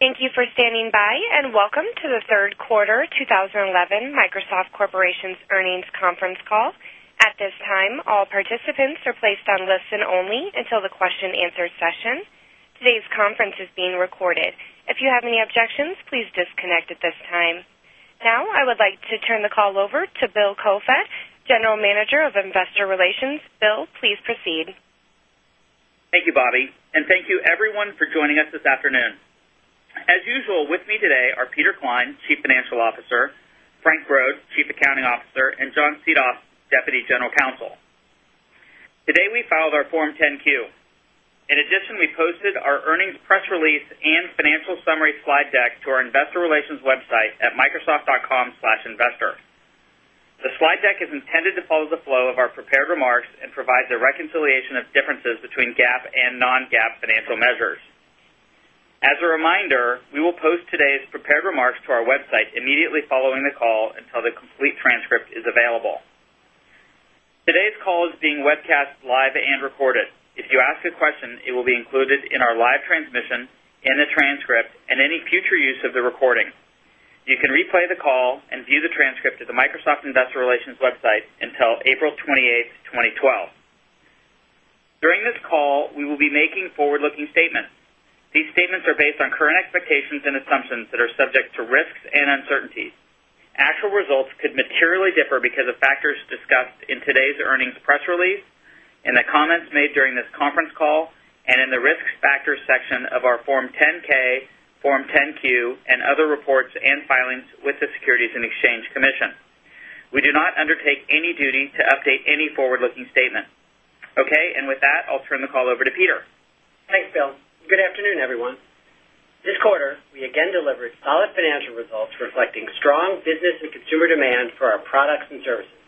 Thank you for standing by and welcome to the Third Quarter 2011 Microsoft Corporation's Earnings Conference Call. At this time, all participants are placed on listen-only until the question-answer session. Today's conference is being recorded. If you have any objections, please disconnect at this time. Now, I would like to turn the call over to Bill Koefoed, General Manager of Investor Relations. Bill, please proceed. Thank you, Bobby, and thank you everyone for joining us this afternoon. As usual, with me today are Peter Klein, Chief Financial Officer, Frank Brod, Chief Accounting Officer, and John Seethoff, Deputy General Counsel. Today, we filed our Form 10-Q. In addition, we posted our earnings press release and financial summary slide deck to our Investor Relations website at microsoft.com/investor. The slide deck is intended to follow the flow of our prepared remarks and provides a reconciliation of differences between GAAP and non-GAAP financial measures. As a reminder, we will post today's prepared remarks to our website immediately following the call until the complete transcript is available. Today's call is being webcast live and recorded. If you ask a question, it will be included in our live transmission, in the transcript, and any future use of the recording. You can replay the call and view the transcript at the Microsoft Investor Relations website until April 28, 2012. During this call, we will be making forward-looking statements. These statements are based on current expectations and assumptions that are subject to risks and uncertainties. Actual results could materially differ because of factors discussed in today's earnings press release, in the comments made during this conference call, and in the Risk Factors section of our Form 10-K, Form 10-Q, and other reports and filings with the Securities and Exchange Commission. We do not undertake any duty to update any forward-looking statement. Okay, with that, I'll turn the call over to Peter. Thanks, Bill. Good afternoon, everyone. This quarter, we again delivered positive financial results reflecting strong business and consumer demand for our products and services.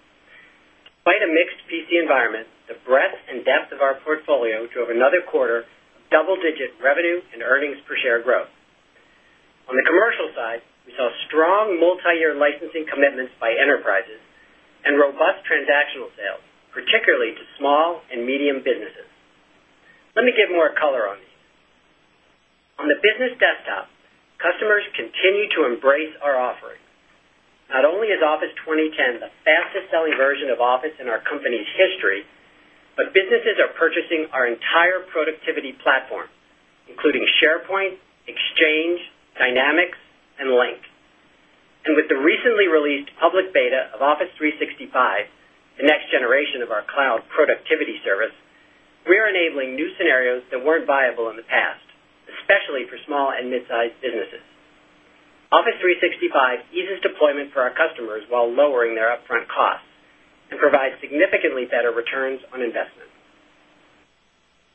Despite a mixed PC environment, the breadth and depth of our portfolio drove another quarter's double-digit revenue and EPS growth. On the commercial side, we saw strong multi-year licensing commitments by enterprises and robust transactional sales, particularly to small and medium businesses. Let me give more color on these. On the business desktop, customers continue to embrace our offering. Not only is Office 2010 the fastest-selling version of Office in our company's history, but businesses are purchasing our entire productivity platform, including SharePoint, Exchange, Dynamics, and Lync. With the recently released public beta of Office 365, the next generation of our cloud productivity service, we are enabling new scenarios that weren't viable in the past, especially for small and mid-sized businesses. Office 365 eases deployment for our customers while lowering their upfront costs and provides significantly better returns on investment.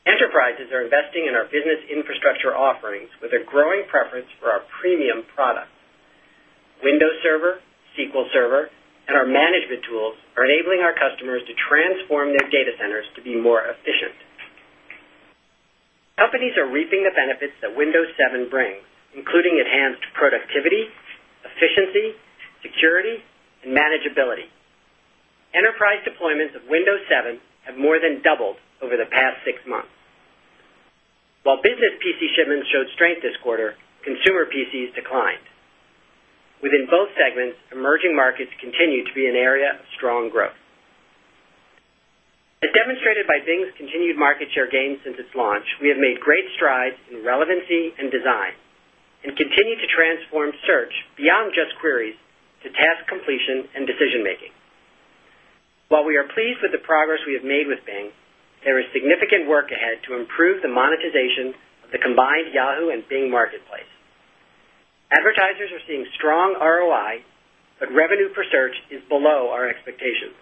Enterprises are investing in our business infrastructure offerings with a growing preference for our premium products. Windows Server, SQL Server, and our management tools are enabling our customers to transform their data centers to be more efficient. Companies are reaping the benefits that Windows 7 brings, including enhanced productivity, efficiency, security, and manageability. Enterprise deployments of Windows 7 have more than doubled over the past six months. While business PC shipments showed strength this quarter, consumer PCs declined. Within both segments, emerging markets continue to be an area of strong growth. As demonstrated by Bing's continued market share gains since its launch, we have made great strides in relevancy and design and continue to transform search beyond just queries to task completion and decision-making. While we are pleased with the progress we have made with Bing, there is significant work ahead to improve the monetization of the combined Yahoo and Bing marketplace. Advertisers are seeing strong ROI, but revenue per search is below our expectations.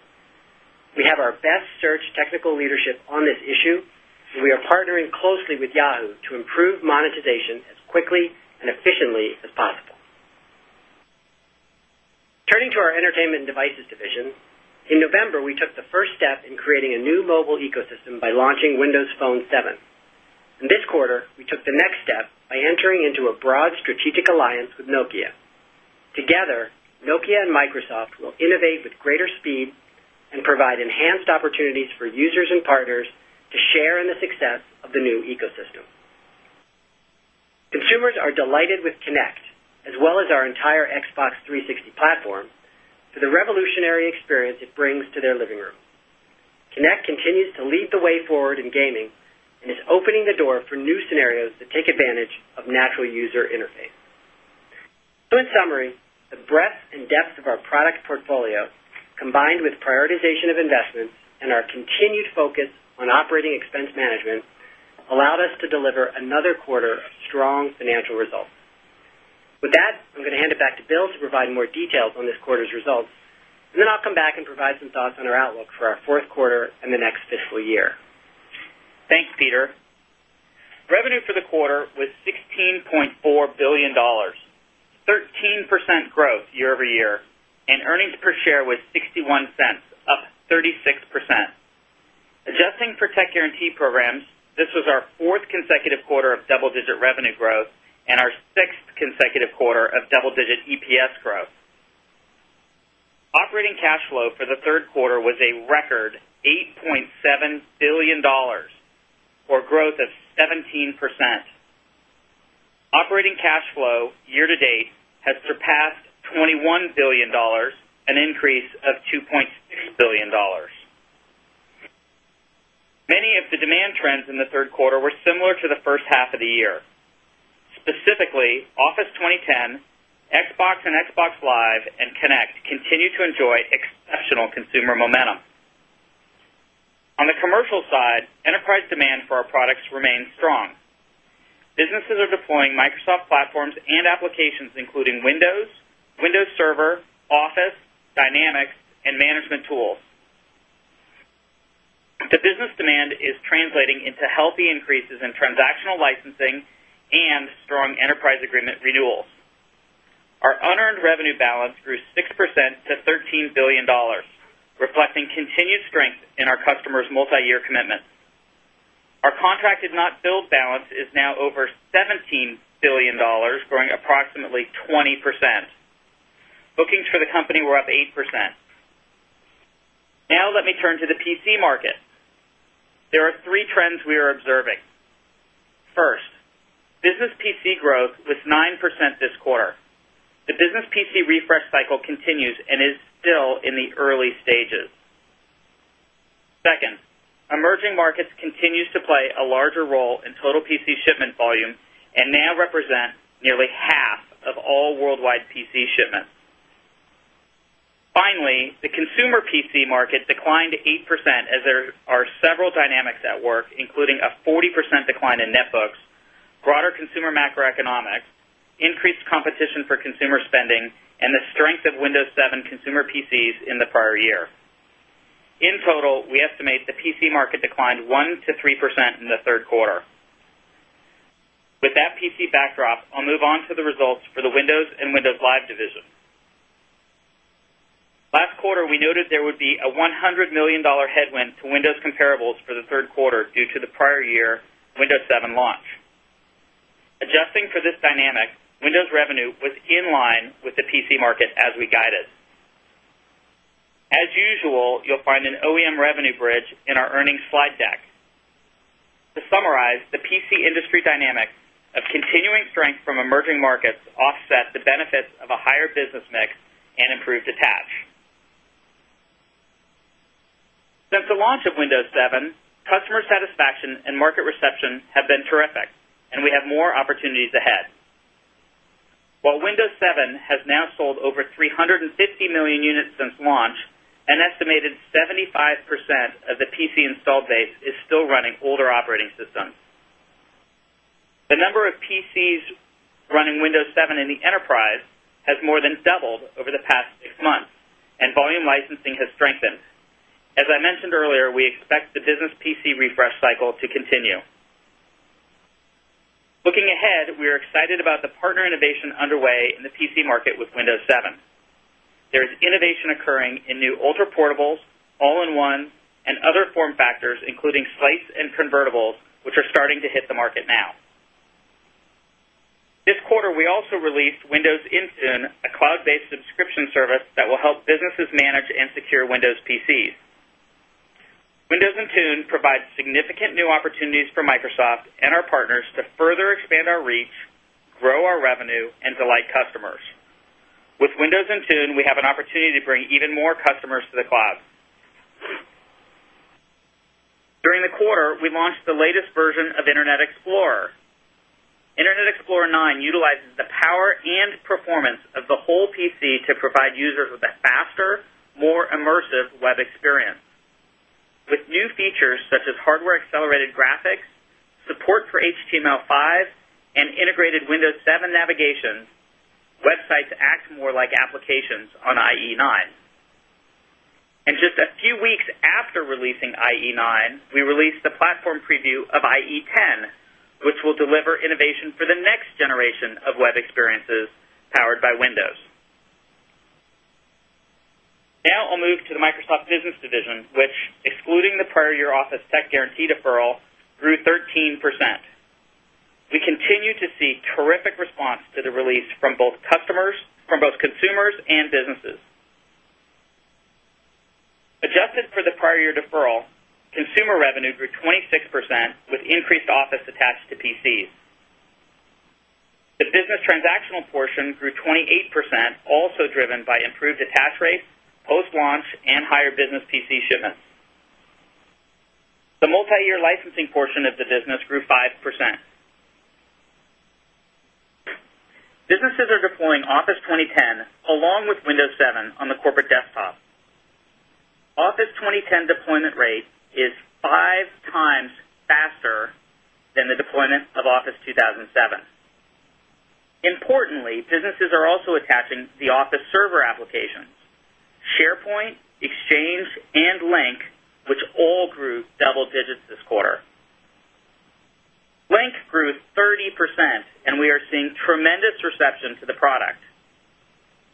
We have our best search technical leadership on this issue, and we are partnering closely with Yahoo to improve monetization as quickly and efficiently as possible. Turning to our Entertainment Devices Division, in November, we took the first step in creating a new mobile ecosystem by launching Windows Phone 7. This quarter, we took the next step by entering into a broad strategic alliance with Nokia. Together, Nokia and Microsoft will innovate with greater speed and provide enhanced opportunities for users and partners to share in the success of the new ecosystem. Consumers are delighted with Kinect, as well as our entire Xbox 360 platform, for the revolutionary experience it brings to their living room. Kinect continues to lead the way forward in gaming and is opening the door for new scenarios that take advantage of natural user interface. In summary, the breadth and depth of our product portfolio, combined with prioritization of investments and our continued focus on operating expense management, allowed us to deliver another quarter of strong financial results. With that, I'm going to hand it back to Bill to provide more details on this quarter's results, and then I'll come back and provide some thoughts on our outlook for our fourth quarter and the next fiscal year. Thanks, Peter. Revenue for the quarter was $16.4 billion, 13% growth year-over-year, and earnings per share was $0.61, up 36%. Adjusting for tech guarantee programs, this was our fourth consecutive quarter of double-digit revenue growth and our sixth consecutive quarter of double-digit EPS growth. Operating cash flow for the third quarter was a record $8.7 billion, or growth of 17%. Operating cash flow year to date has surpassed $21 billion, an increase of $2.6 billion. Many of the demand trends in the third quarter were similar to the first half of the year. Specifically, Office 2010, Xbox and Xbox Live, and Kinect continue to enjoy exceptional consumer momentum. On the commercial side, enterprise demand for our products remains strong. Businesses are deploying Microsoft platforms and applications, including Windows, Windows Server, Office, Dynamics, and management tools. The business demand is translating into healthy increases in transactional licensing and strong enterprise agreement renewals. Our unearned revenue balance grew 6% to $13 billion, reflecting continued strength in our customers' multi-year commitments. Our contracted not-billed balance is now over $17 billion, growing approximately 20%. Bookings for the company were up 8%. Now, let me turn to the PC market. There are three trends we are observing. First, business PC growth was 9% this quarter. The business PC refresh cycle continues and is still in the early stages. Second, emerging markets continue to play a larger role in total PC shipment volume and now represent nearly half of all worldwide PC shipments. Finally, the consumer PC market declined 8% as there are several dynamics at work, including a 40% decline in netbooks, broader consumer macroeconomics, increased competition for consumer spending, and the strength of Windows 7 consumer PCs in the prior year. In total, we estimate the PC market declined 1%-3% in the third quarter. With that PC backdrop, I'll move on to the results for the Windows and Windows Live Division. Last quarter, we noted there would be a $100 million headwind to Windows comparables for the third quarter due to the prior year Windows 7 launch. Adjusting for this dynamic, Windows revenue was in line with the PC market as we guided. As usual, you'll find an OEM revenue bridge in our earnings slide deck. To summarize, the PC industry dynamic of continuing strength from emerging markets offset the benefits of a higher business mix and improved attach. Since the launch of Windows 7, customer satisfaction and market reception have been terrific, and we have more opportunities ahead. While Windows 7 has now sold over 350 million units since launch, an estimated 75% of the PC installed base is still running older operating systems. The number of PCs running Windows 7 in the enterprise has more than doubled over the past six months, and volume licensing has strengthened. As I mentioned earlier, we expect the business PC refresh cycle to continue. Looking ahead, we are excited about the partner innovation underway in the PC market with Windows 7. There is innovation occurring in new ultra-portables, all-in-one, and other form factors, including slice and convertibles, which are starting to hit the market now. This quarter, we also released Windows Intune, a cloud-based subscription service that will help businesses manage and secure Windows PCs. Windows Intune provides significant new opportunities for Microsoft and our partners to further expand our reach, grow our revenue, and delight customers. With Windows Intune, we have an opportunity to bring even more customers to the cloud. During the quarter, we launched the latest version of Internet Explorer. Internet Explorer 9 utilizes the power and performance of the whole PC to provide users with a faster, more immersive web experience. With new features such as hardware-accelerated graphics, support for HTML5, and integrated Windows 7 navigation, websites act more like applications on IE 9. Just a few weeks after releasing IE 9, we released the platform preview of IE 10, which will deliver innovation for the next generation of web experiences powered by Windows. Now, I'll move to the Microsoft Business Division, which, excluding the prior year Office Tech Guarantee deferral, grew 13%. We continue to see terrific response to the release from both customers, from both consumers and businesses. Adjusted for the prior year deferral, consumer revenue grew 26% with increased Office attached to PCs. The business transactional portion grew 28%, also driven by improved attach rates, post-launch, and higher business PC shipments. The multi-year licensing portion of the business grew 5%. Businesses are deploying Office 2010 along with Windows 7 on the corporate desktop. Office 2010 deployment rate is 5x faster than the deployment of Office 2007. Importantly, businesses are also attaching the Office server applications: SharePoint, Exchange, and Lync, which all grew double digits this quarter. Lync grew 30%, and we are seeing tremendous reception to the product.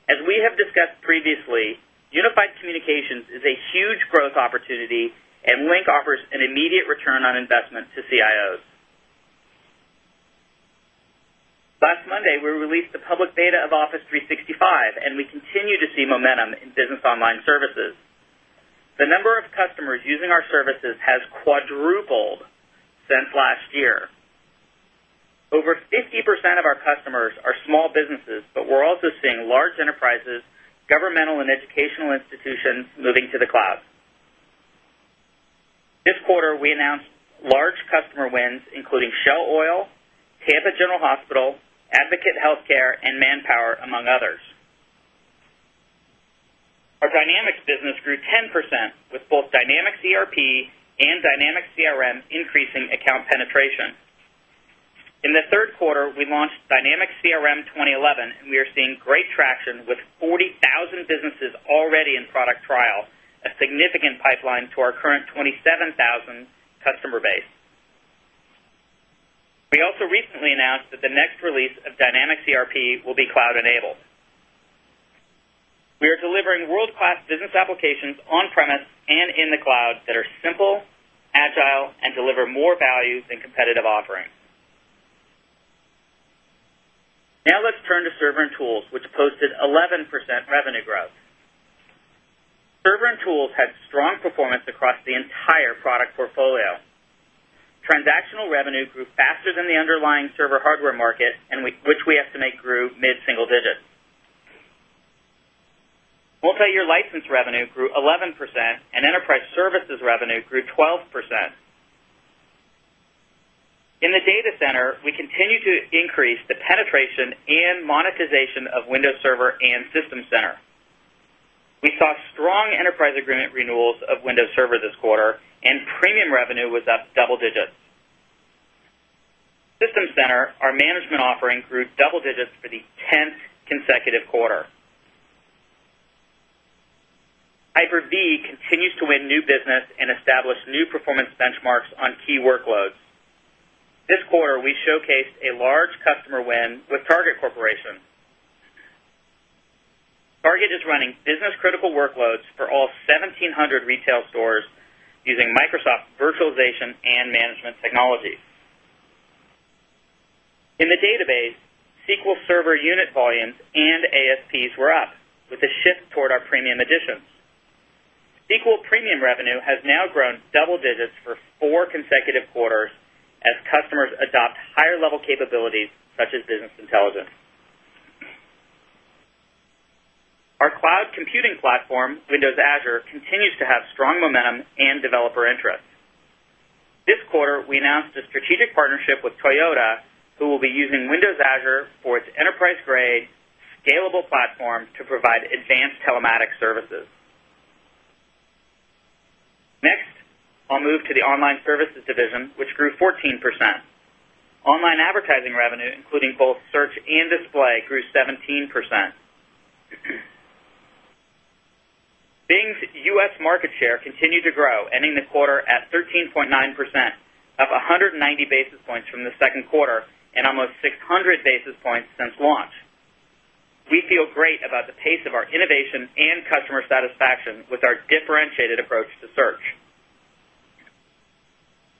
As we have discussed previously, unified communications is a huge growth opportunity, and Lync offers an immediate return on investment to CIOs. Last Monday, we released the public beta of Office 365, and we continue to see momentum in business online services. The number of customers using our services has quadrupled since last year. Over 50% of our customers are small businesses, but we're also seeing large enterprises, governmental, and educational institutions moving to the cloud. This quarter, we announced large customer wins, including Shell Oil, Tampa General Hospital, Advocate Health Care, and Manpower, among others. Our Dynamics business grew 10%, with both Dynamics ERP and Dynamics CRM increasing account penetration. In the third quarter, we launched Dynamics CRM 2011, and we are seeing great traction with 40,000 businesses already in product trial, a significant pipeline to our current 27,000 customer base. We also recently announced that the next release of Dynamics ERP will be cloud-enabled. We are delivering world-class business applications on-premise and in the cloud that are simple, agile, and deliver more value than competitive offerings. Now, let's turn to server and tools, which posted 11% revenue growth. Server and tools had strong performance across the entire product portfolio. Transactional revenue grew faster than the underlying server hardware market, which we estimate grew mid-single digit. Multi-year license revenue grew 11%, and enterprise services revenue grew 12%. In the data center, we continue to increase the penetration and monetization of Windows Server and System Center. We saw strong enterprise agreement renewals of Windows Server this quarter, and premium revenue was up double digits. System Center, our management offering, grew double digits for the 10th consecutive quarter. Hyper-V continues to win new business and establish new performance benchmarks on key workloads. This quarter, we showcased a large customer win with Target Corporation. Target is running business-critical workloads for all 1,700 retail stores using Microsoft virtualization and management technologies. In the database, SQL Server unit volumes and ASPs were up, with a shift toward our premium editions. SQL premium revenue has now grown double digits for four consecutive quarters as customers adopt higher-level capabilities such as business intelligence. Our cloud computing platform, Windows Azure, continues to have strong momentum and developer interest. This quarter, we announced a strategic partnership with Toyota, who will be using Windows Azure for its enterprise-grade scalable platform to provide advanced telematics services. Next, I'll move to the Online Services Division, which grew 14%. Online advertising revenue, including both search and display, grew 17%. Bing's U.S. market share continued to grow, ending the quarter at 13.9%, up 190 basis points from the second quarter and almost 600 basis points since launch. We feel great about the pace of our innovation and customer satisfaction with our differentiated approach to search.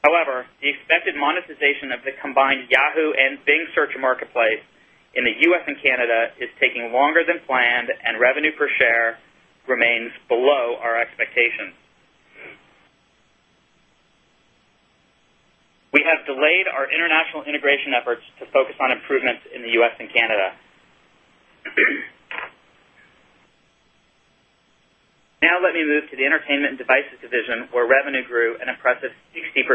However, the expected monetization of the combined Yahoo and Bing search marketplace in the U.S. and Canada is taking longer than planned, and revenue per search remains below our expectations. We have delayed our international integration efforts to focus on improvements in the U.S. and Canada. Now, let me move to the Entertainment and Devices Division, where revenue grew an impressive 60%.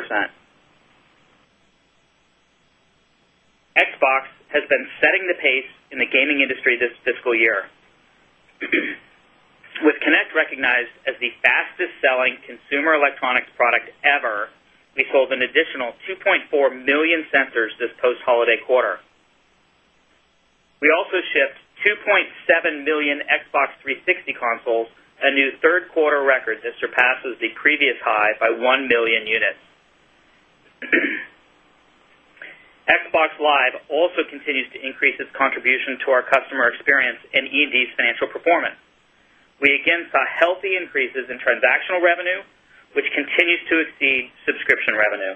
Xbox has been setting the pace in the gaming industry this fiscal year. With Kinect recognized as the fastest-selling consumer electronics product ever, we sold an additional 2.4 million sensors this post-holiday quarter. We also shipped 2.7 million Xbox 360 consoles, a new third-quarter record that surpasses the previous high by 1 million units. Xbox Live also continues to increase its contribution to our customer experience and E&D's financial performance. We again saw healthy increases in transactional revenue, which continues to exceed subscription revenue.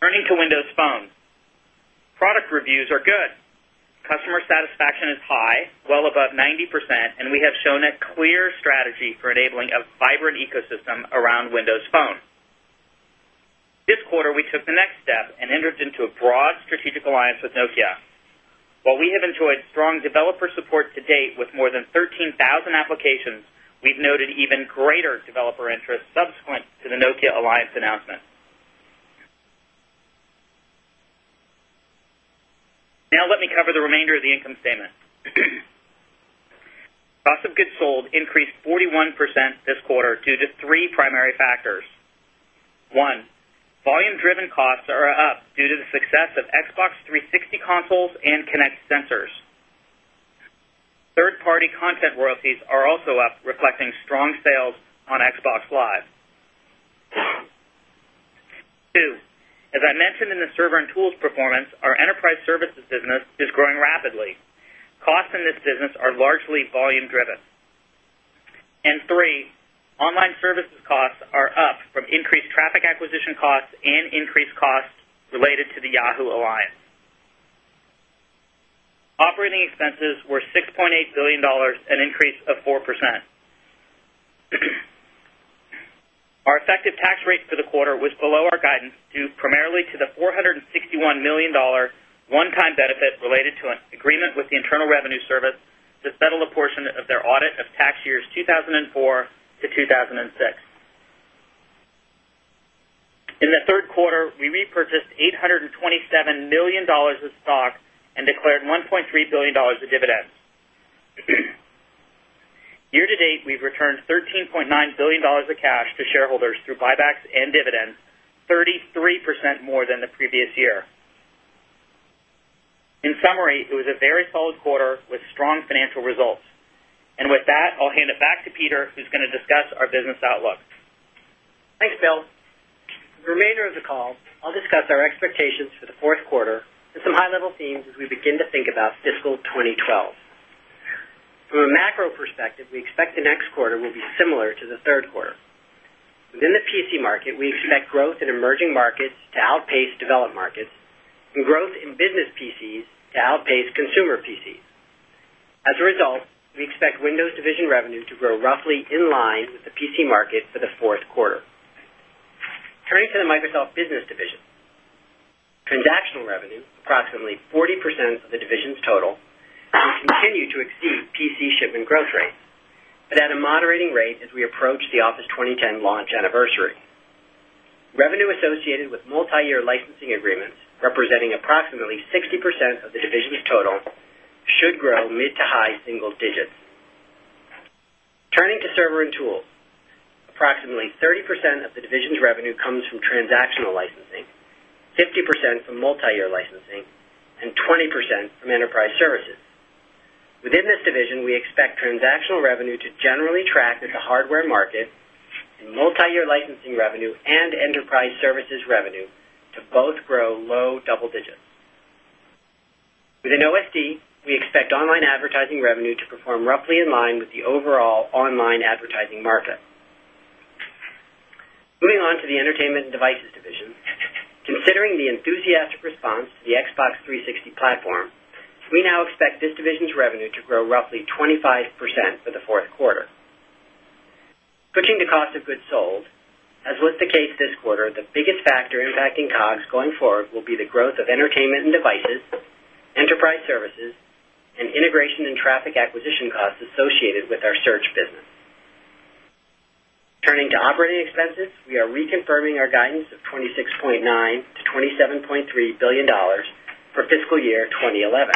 Turning to Windows Phone, product reviews are good. Customer satisfaction is high, well above 90%, and we have shown a clear strategy for enabling a vibrant ecosystem around Windows Phone. This quarter, we took the next step and entered into a broad strategic alliance with Nokia. While we have enjoyed strong developer support to date with more than 13,000 applications, we've noted even greater developer interest subsequent to the Nokia alliance announcement. Now, let me cover the remainder of the income statement. Cost of goods sold increased 41% this quarter due to three primary factors. One, volume-driven costs are up due to the success of Xbox 360 consoles and Kinect sensors. Third-party content royalties are also up, reflecting strong sales on Xbox Live. Two, as I mentioned in the server and tools performance, our enterprise services business is growing rapidly. Costs in this business are largely volume-driven. Three, online services costs are up from increased traffic acquisition costs and increased costs related to the Yahoo Alliance. Operating expenses were $6.8 billion, an increase of 4%. Our effective tax rate for the quarter was below our guidance due primarily to the $461 million one-time benefit related to an agreement with the to settle a portion of their audit of tax years 2004 to 2006. In the third quarter, we repurchased $827 million of stock and declared $1.3 billion of dividends. Year to date, we've returned $13.9 billion of cash to shareholders through buybacks and dividends, 33% more than the previous year. In summary, it was a very solid quarter with strong financial results. I'll hand it back to Peter, who's going to discuss our business outlook. Thanks, Bill. For the remainder of the call, I'll discuss our expectations for the fourth quarter and some high-level themes as we begin to think about fiscal 2012. From a macro perspective, we expect the next quarter will be similar to the third quarter. Within the PC market, we expect growth in emerging markets to outpace developed markets and growth in business PCs to outpace consumer PCs. As a result, we expect Windows division revenue to grow roughly in line with the PC market for the fourth quarter. Turning to the Microsoft Business Division, transactional revenue is approximately 40% of the division's total, and we continue to exceed PC shipment growth rates, but at a moderating rate as we approach the Office 2010 launch anniversary. Revenue associated with multi-year licensing agreements, representing approximately 60% of the division's total, should grow mid to high single digits. Turning to server and tools, approximately 30% of the division's revenue comes from transactional licensing, 50% from multi-year licensing, and 20% from enterprise services. Within this division, we expect transactional revenue to generally track the hardware market and multi-year licensing revenue and enterprise services revenue to both grow low double digits. Within OSD, we expect online advertising revenue to perform roughly in line with the overall online advertising market. Moving on to the Entertainment and Devices Division, considering the enthusiastic response to the Xbox 360 platform, we now expect this division's revenue to grow roughly 25% for the fourth quarter. Switching to cost of goods sold, as was the case this quarter, the biggest factor impacting COGS going forward will be the growth of entertainment and devices, enterprise services, and integration and traffic acquisition costs associated with our search business. Turning to operating expenses, we are reconfirming our guidance of $26.9 billion-$27.3 billion for fiscal year 2011.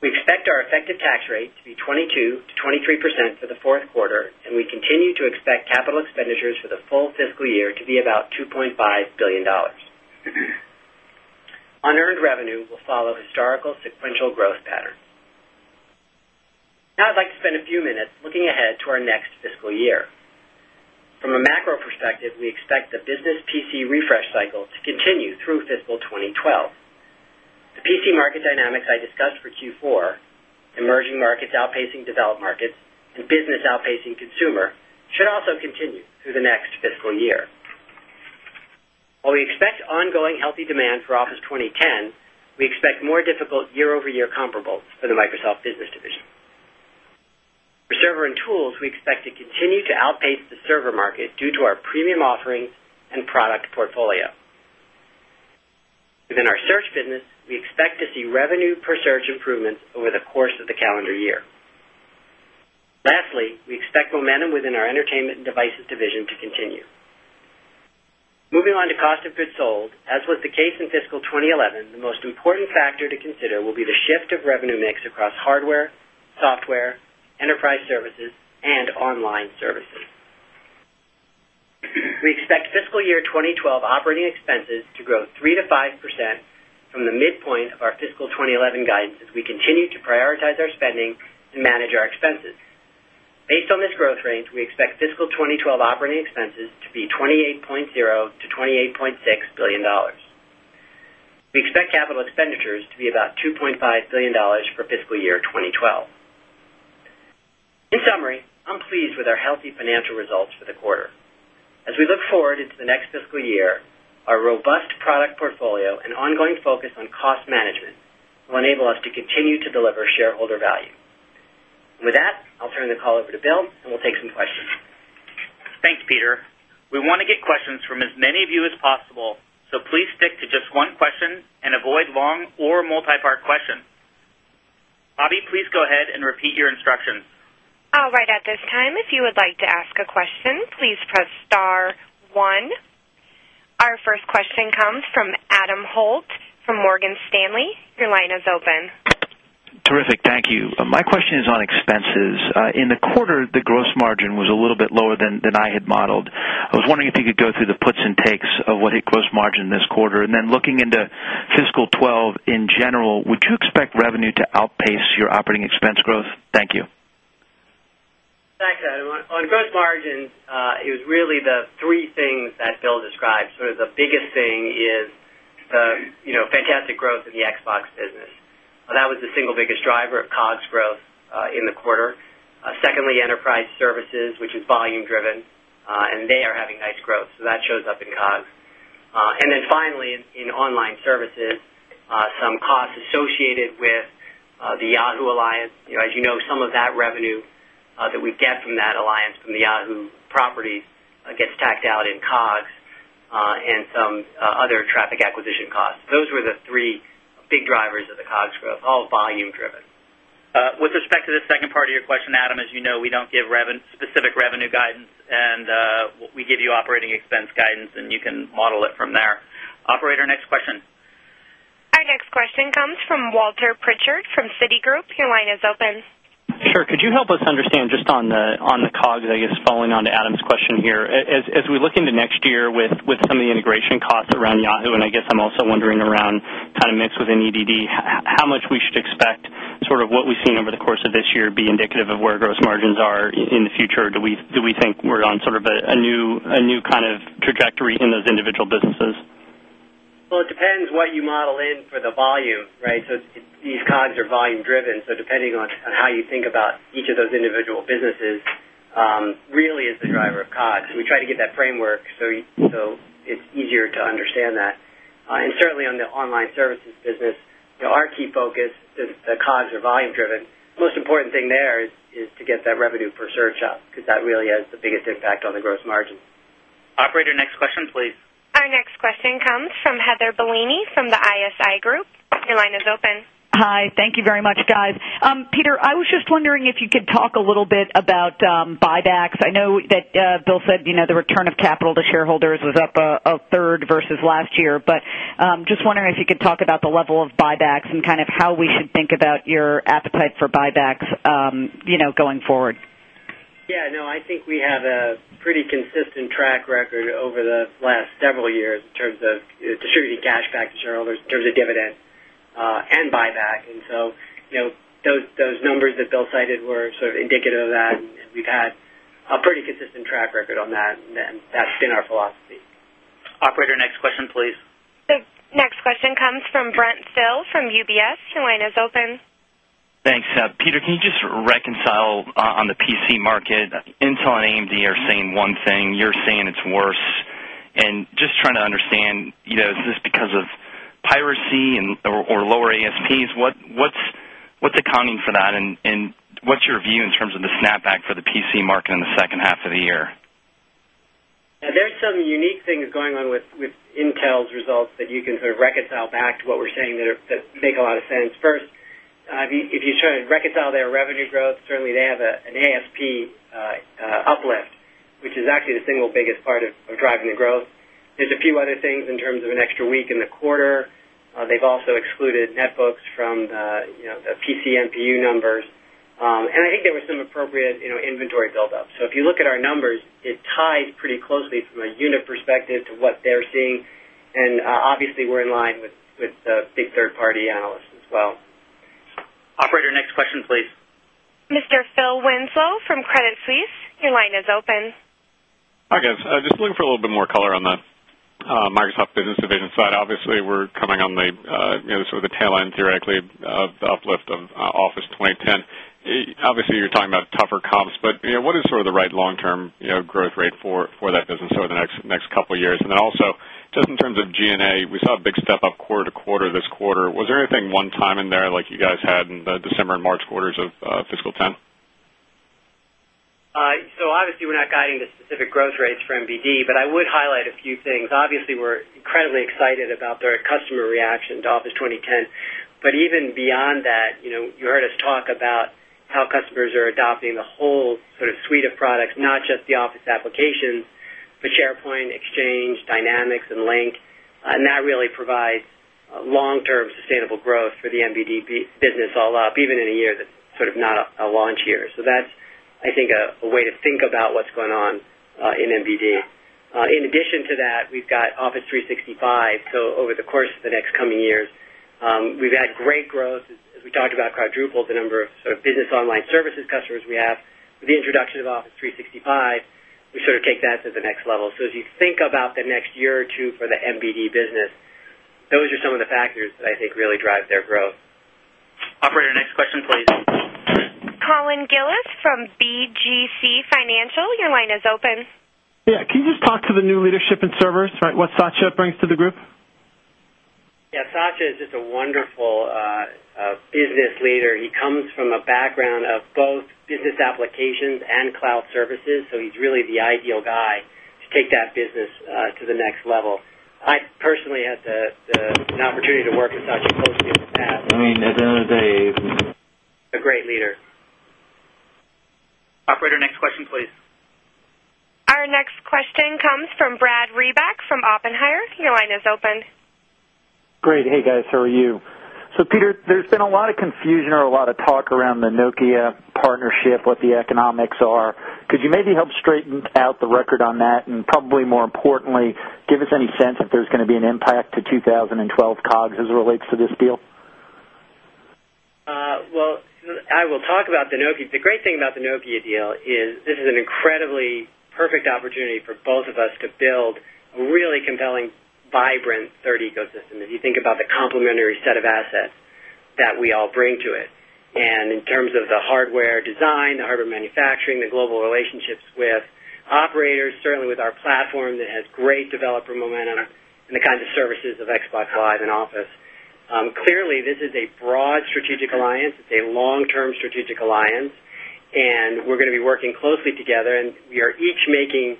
We expect our effective tax rate to be 22%-23% for the fourth quarter, and we continue to expect capital expenditures for the full fiscal year to be about $2.5 billion. Unearned revenue will follow historical sequential growth patterns. Now, I'd like to spend a few minutes looking ahead to our next fiscal year. From a macro perspective, we expect the business PC refresh cycle to continue through fiscal 2012. The PC market dynamics I discussed for Q4, emerging markets outpacing developed markets and business outpacing consumer, should also continue through the next fiscal year. While we expect ongoing healthy demand for Office 2010, we expect more difficult year-over-year comparables for the Microsoft Business Division. For server and tools, we expect to continue to outpace the server market due to our premium offerings and product portfolio. Within our search business, we expect to see revenue per search improvements over the course of the calendar year. Lastly, we expect momentum within our Entertainment and Devices Division to continue. Moving on to cost of goods sold, as was the case in fiscal 2011, the most important factor to consider will be the shift of revenue mix across hardware, software, enterprise services, and online services. We expect fiscal year 2012 operating expenses to grow 3%-5% from the midpoint of our fiscal 2011 guidance as we continue to prioritize our spending and manage our expenses. Based on this growth range, we expect fiscal 2012 operating expenses to be $28.0 billion--$28.6 billion. We expect capital expenditures to be about $2.5 billion for fiscal year 2012. In summary, I'm pleased with our healthy financial results for the quarter. As we look forward into the next fiscal year, our robust product portfolio and ongoing focus on cost management will enable us to continue to deliver shareholder value. With that, I'll turn the call over to Bill, and we'll take some questions. Thanks, Peter. We want to get questions from as many of you as possible, so please stick to just one question and avoid long or multi-part questions. Bobby, please go ahead and repeat your instruction. All right. At this time, if you would like to ask a question, please press star one. Our first question comes from Adam Holt from Morgan Stanley. Your line is open. Terrific. Thank you. My question is on expenses. In the quarter, the gross margin was a little bit lower than I had modeled. I was wondering if you could go through the puts and takes of what hit gross margin this quarter, and then looking into fiscal 2012 in general, would you expect revenue to outpace your operating expense growth? Thank you. Thanks, everyone. On gross margins, it was really the three things that Bill described. The biggest thing is the fantastic growth of the Xbox business. That was the single biggest driver of COGS growth in the quarter. Secondly, enterprise services, which is volume-driven, and they are having nice growth, so that shows up in COGS. Finally, in online services, some costs associated with the Yahoo Alliance. As you know, some of that revenue that we get from that alliance from the Yahoo properties gets tacked out in COGS and some other traffic acquisition costs. Those were the three big drivers of the COGS growth, all volume-driven. With respect to the second part of your question, Adam, as you know, we don't give specific revenue guidance, and we give you operating expense guidance, and you can model it from there. Operator, next question. Our next question comes from Walter Pritchard from Citigroup. Your line is open. Sure. Could you help us understand just on the COGS, I guess, following on to Adam's question here. As we look into next year with some of the integration costs around Yahoo, and I guess I'm also wondering around kind of mix within EDD, how much we should expect, sort of what we've seen over the course of this year be indicative of where gross margins are in the future? Do we think we're on sort of a new kind of trajectory in those individual businesses? It depends what you model in for the volume, right? These COGS are volume-driven, so depending on how you think about each of those individual businesses really is the driver of COGS. We try to give that framework so it's easier to understand that. Certainly, on the online services business, our key focus is the COGS are volume-driven. The most important thing there is to get that revenue per search up because that really has the biggest impact on the gross margin. Operator, next question, please. Our next question comes from Heather Bellini from the ISI Group. Your line is open. Hi. Thank you very much, guys. Peter, I was just wondering if you could talk a little bit about buybacks. I know that Bill said the return of capital to shareholders was up a third versus last year, but I'm just wondering if you could talk about the level of buybacks and kind of how we should think about your appetite for buybacks going forward. Yeah, no, I think we have a pretty consistent track record over the last several years in terms of distributed cashback to shareholders, in terms of dividend and buyback. Those numbers that Bill cited were sort of indicative of that, and we've had a pretty consistent track record on that, and that's been our philosophy. Operator, next question, please. The next question comes from Brent Thill from UBS. Your line is open. Thanks. Peter, can you just reconcile on the PC market? Intel and AMD are saying one thing, you're saying it's worse. I'm just trying to understand, is this because of piracy or lower ASPs? What's accounting for that, and what's your view in terms of the snapback for the PC market in the second half of the year? There are some unique things going on with Intel's results that you can sort of reconcile back to what we're saying there that make a lot of sense. First, if you try to reconcile their revenue growth, certainly they have an ASP uplift, which is actually the single biggest part of driving the growth. There are a few other things in terms of an extra week in the quarter. They've also excluded netbooks from the PC NPU numbers, and I think there were some appropriate inventory buildups. If you look at our numbers, it ties pretty closely from a unit perspective to what they're seeing, and obviously, we're in line with the third-party analysts as well. Operator, next question, please. Mr. Phil Winslow from Credit Suisse, your line is open. Hi, guys. Just looking for a little bit more color on the Microsoft Business Division side. Obviously, we're coming on the sort of the tail end, theoretically, of the uplift of Office 2010. Obviously, you're talking about tougher comps, but what is sort of the right long-term growth rate for that business over the next couple of years? Also, just in terms of G&A, we saw a big step up quarter-to-quarter this quarter. Was there anything one-time in there like you guys had in the December and March quarters of fiscal 2010? We're not guiding the specific growth rates for NBD, but I would highlight a few things. We're incredibly excited about the customer reaction to Office 2010. Even beyond that, you heard us talk about how customers are adopting the whole suite of products, not just the Office applications, but SharePoint, Exchange, Dynamics, and Lync. That really provides long-term sustainable growth for the NBD business all up, even in a year that's not a launch year. I think that's a way to think about what's going on in NBD. In addition to that, we've got Office 365. Over the course of the next coming years, we've had great growth. As we talked about, quadrupled the number of business online services customers we have. With the introduction of Office 365, we take that to the next level. As you think about the next year or two for the NBD business, those are some of the factors that I think really drive their growth. Operator, next question, please. Colin Gillis from BGC Financial, your line is open. Yeah. Can you just talk to the new leadership in servers, right? What Satya brings to the group? Yeah. Satya is just a wonderful business leader. He comes from a background of both business applications and cloud services, so he's really the ideal guy to take that business to the next level. I personally had an opportunity to work with Satya [I mean] a great leader. Operator, next question, please. Our next question comes from Brad Reback from Oppenheimer. Your line is open. Great. Hey, guys. How are you? Peter, there's been a lot of confusion or a lot of talk around the Nokia partnership, what the economics are. Could you maybe help straighten out the record on that and probably more importantly, give us any sense if there's going to be an impact to 2012 COGS as it relates to this deal? I will talk about the Nokia. The great thing about the Nokia deal is this is an incredibly perfect opportunity for both of us to build a really compelling, vibrant third ecosystem if you think about the complementary set of assets that we all bring to it. In terms of the hardware design, the hardware manufacturing, the global relationships with operators, certainly with our platform that has great developer momentum, and the kinds of services of Xbox Live and Office. Clearly, this is a broad strategic alliance, a long-term strategic alliance, and we're going to be working closely together, and we are each making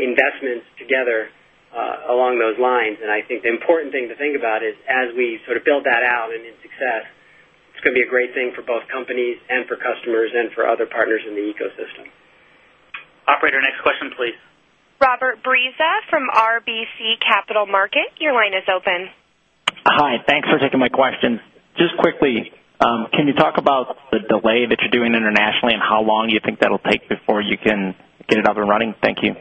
investments together along those lines. I think the important thing to think about is as we sort of build that out and in success, it's going to be a great thing for both companies and for customers and for other partners in the ecosystem. Operator, next question, please. Robert Brisa from RBC Capital Markets. Your line is open. Hi, thanks for taking my question. Just quickly, can you talk about the delay that you're doing internationally and how long you think that'll take before you can get it up and running? Thank you.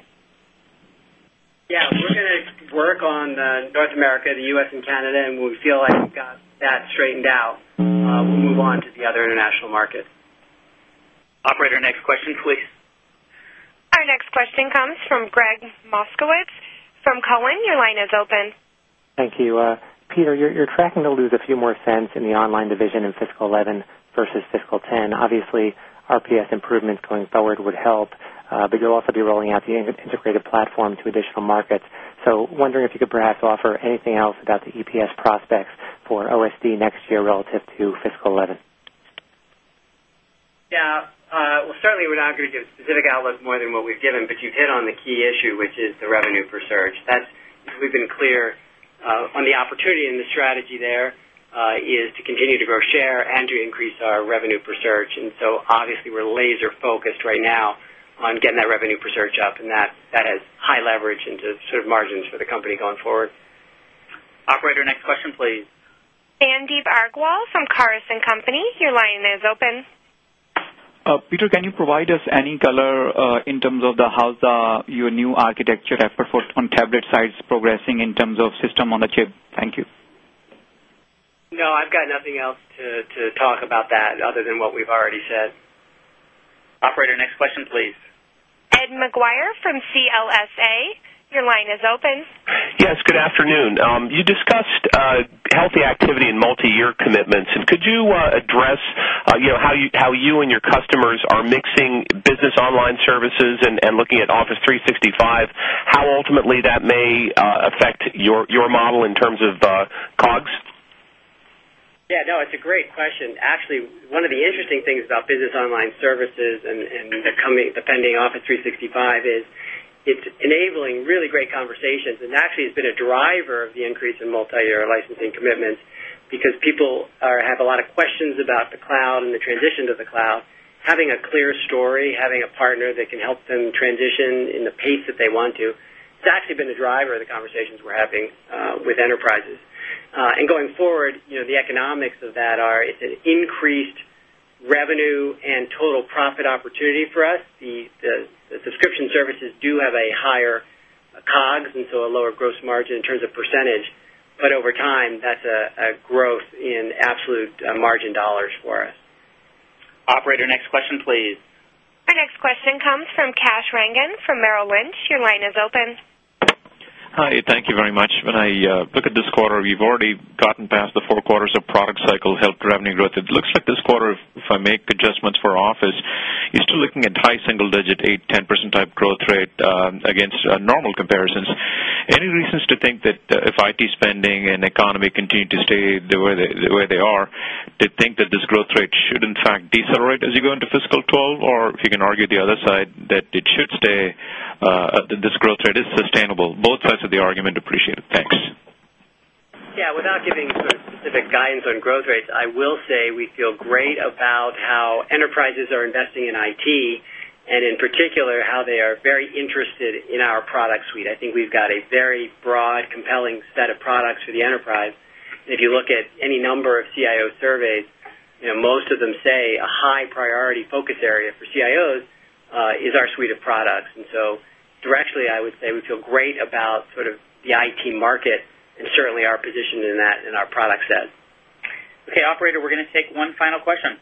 Yeah. We're going to work on North America, the U.S., and Canada, and when we feel like we've got that straightened out, we'll move on to the other international market. Operator, next question, please. Our next question comes from Gregg Moskowitz from Cowen. Your line is open. Thank you. Peter, you're tracking to lose a few more dollars in the online division in fiscal 2011 versus fiscal 2010. Obviously, RPS improvements going forward would help, but you'll also be rolling out the integrated platform to additional markets. Wondering if you could perhaps offer anything else about the EPS prospects for OSD next year relative to fiscal 2011. Certainly, we're not going to give a specific outlook more than what we've given, but you've hit on the key issue, which is the revenue per search. We've been clear on the opportunity in the strategy there is to continue to grow share and to increase our revenue per search. Obviously, we're laser-focused right now on getting that revenue per search up, and that has high leverage into sort of margins for the company going forward. Operator, next question, please. Sandeep Aggarwal from Caris & Company your line is open. Peter, can you provide us any color in terms of how your new architecture effort for tablet size is progressing in terms of system on the chip? Thank you. No, I've got nothing else to talk about other than what we've already said. Operator, next question, please. Ed Maguire from CLSA, your line is open. Yes. Good afternoon. You discussed healthy activity in multi-year commitments, and could you address how you and your customers are mixing business online services and looking at Office 365, how ultimately that may affect your model in terms of COGS? Yeah, no, it's a great question. Actually, one of the interesting things about business online services and the pending Office 365 is it's enabling really great conversations, and actually, it's been a driver of the increase in multi-year licensing commitments because people have a lot of questions about the cloud and the transition to the cloud. Having a clear story, having a partner that can help them transition in the pace that they want to, it's actually been a driver of the conversations we're having with enterprises. Going forward, the economics of that are it's an increased revenue and total profit opportunity for us. The subscription services do have a higher COGS and so a lower gross margin in terms of percentage, but over time, that's a growth in absolute margin dollars for us. Operator, next question, please. Our next question comes from Kash Rangan from Merrill Lynch. Your line is open. Hi. Thank you very much. When I look at this quarter, we've already gotten past the four quarters of product cycle helped revenue growth. It looks like this quarter, if I make adjustments for Office, you're still looking at high single-digit 8%, 10% type growth rate against normal comparisons. Any reasons to think that if IT spending and economy continue to stay the way they are, to think that this growth rate should, in fact, decelerate as you go into fiscal 2012? If you can argue the other side, that it should stay, that this growth rate is sustainable. Both sides of the argument appreciate it. Thanks. Without giving specific guidance on growth rates, I will say we feel great about how enterprises are investing in IT and in particular how they are very interested in our product suite. I think we've got a very broad, compelling set of products for the enterprise. If you look at any number of CIO surveys, most of them say a high-priority focus area for CIOs is our suite of products. Directionally, I would say we feel great about the IT market and certainly our position in that and our product sets. Okay. Operator, we are going to take one final question.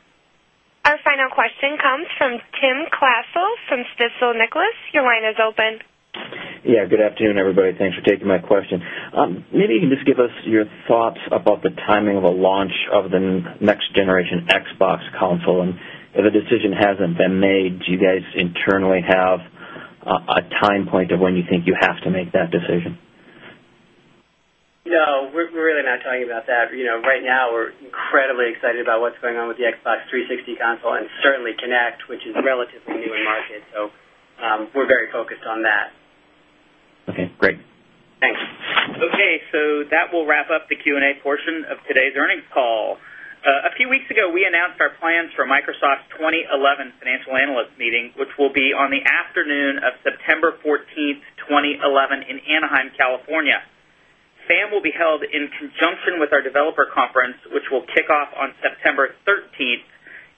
Our final question comes from Tim Klasell from Stifel Nicolaus. Your line is open. Good afternoon, everybody. Thanks for taking my question. Maybe you can just give us your thoughts about the timing of the launch of the next generation Xbox console. If a decision hasn't been made, do you guys internally have a time point of when you think you have to make that decision? No, we're really not talking about that. Right now, we're incredibly excited about what's going on with the Xbox 360 console and certainly Kinect, which is relatively new in market. We're very focused on that. Okay. Great. Thanks. Okay. That will wrap up the Q&A portion of today's earnings call. A few weeks ago, we announced our plans for Microsoft's 2011 Financial Analyst Meeting, which will be on the afternoon of September 14, 2011, in Anaheim, California. SAM will be held in conjunction with our developer conference, which will kick off on September 13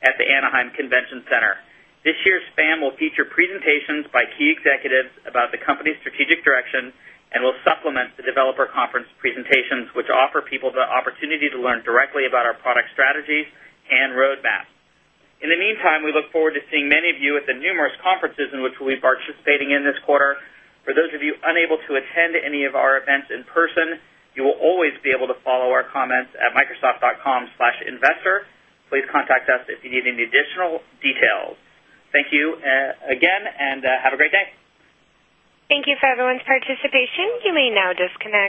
at the Anaheim Convention Center. This year's SAM will feature presentations by key executives about the company's strategic direction and will supplement the developer conference presentations, which offer people the opportunity to learn directly about our product strategies and roadmaps. In the meantime, we look forward to seeing many of you at the numerous conferences in which we'll be participating this quarter. For those of you unable to attend any of our events in person, you will always be able to follow our comments at microsoft.com/investor. Please contact us if you need any additional details. Thank you again and have a great day. Thank you for everyone's participation. You may now disconnect.